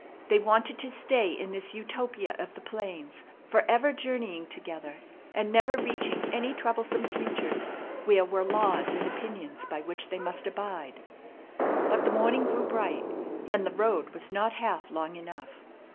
They wanted to stay in this Utopia of the plains, forever journeying together, and never reaching any troublesome futures where were laws and opinions by which they must abide. But the morning grew bright, and the road was not half long enough.